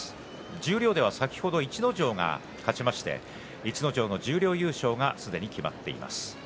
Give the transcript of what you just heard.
十両では先ほど逸ノ城が勝って逸ノ城の十両優勝はすでに決まっています。